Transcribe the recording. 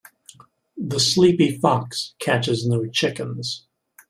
The sleepy fox catches no chickens.